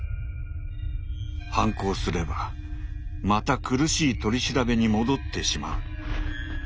反抗すればまた苦しい取り調べに戻ってしまう。